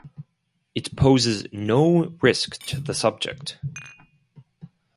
It poses no risk to the subject.